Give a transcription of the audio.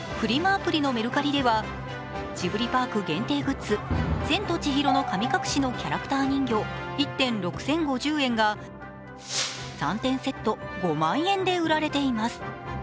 アプリのメルカリではジブリパーク限定グッズ「千と千尋の神隠し」のキャラクター人形１点６０５０円が３点セット５万円で売られています。